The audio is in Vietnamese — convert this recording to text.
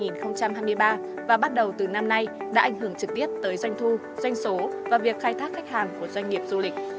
năm hai nghìn hai mươi ba và bắt đầu từ năm nay đã ảnh hưởng trực tiếp tới doanh thu doanh số và việc khai thác khách hàng của doanh nghiệp du lịch